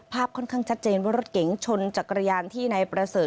ค่อนข้างชัดเจนว่ารถเก๋งชนจักรยานที่นายประเสริฐ